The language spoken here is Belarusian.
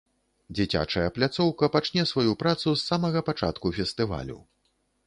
Дзіцячая пляцоўка пачне сваю працу з самага пачатку фестывалю.